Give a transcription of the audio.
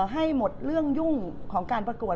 ให้หมดเรื่องยุ่งของการประกวด